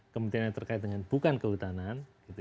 kementerian yang terkait dengan bukan kehutanan